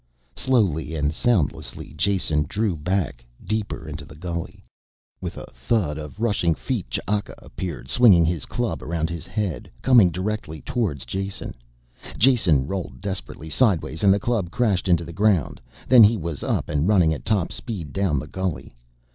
Slowly and soundlessly Jason drew back deeper into the gully. With a thud of rushing feet Ch'aka appeared, swinging his club around his head, coming directly towards Jason. Jason rolled desperately sideways and the club crashed into the ground, then he was up and running at top speed down the gully.